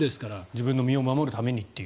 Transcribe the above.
自分の身を守るためにっていう。